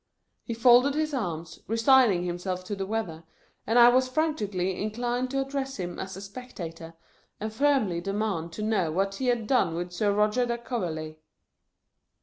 He folded his arms, resigning himself to the weather, and I was frantically inclined to address him as the Spectator, and firmly demand to know what he had done with Sir Roger de Coverley.